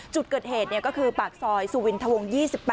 จุดเกิดเหตุก็คือปากซอยสุวินทวง๒๘